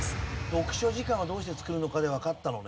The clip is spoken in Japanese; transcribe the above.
読書時間はどうして作るのかでわかったのね。